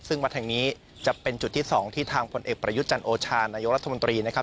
ซึ่งวัดแห่งนี้จะเป็นจุดที่๒ที่ทางผลเอกประยุทธ์จันโอชานายกรัฐมนตรีนะครับ